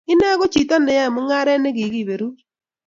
Ine ko chito ne yae mungaret nekikiberur